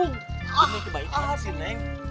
ini kebaikan sih neng